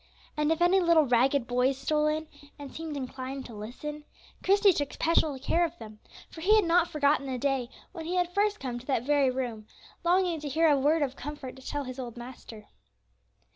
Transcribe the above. And if any little ragged boys stole in, and seemed inclined to listen, Christie took special care of them, for he had not forgotten the day when he had first come to that very room, longing to hear a word of comfort to tell to his old master.